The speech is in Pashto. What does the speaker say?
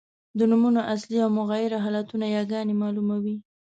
د نومونو اصلي او مغیره حالتونه یاګاني مالوموي.